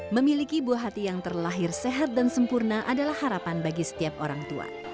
memiliki buah hati yang terlahir sehat dan sempurna adalah harapan bagi setiap orang tua